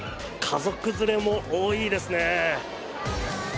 家族連れも多いですね。